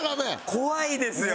怖いですよ。